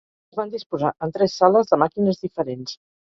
Es van disposar en tres sales de màquines diferents.